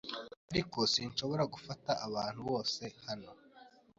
Ariko sinshobora gufata abantu bose hano